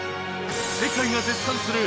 世界が絶賛する！